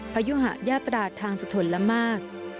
พยุหะญาตราทางสถลมาก